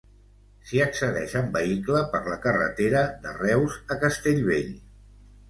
S'hi accedeix amb vehicle per la carretera de Reus a Castellvell.